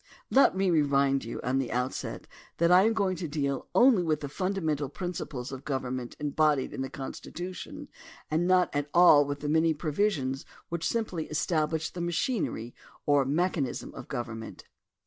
Let me remind you at the outset that I am going to deal only with the fundamental principles of govern ment embodied in the Constitution and not at all with the many provisions which simply establish the machineiy or mechanism of government.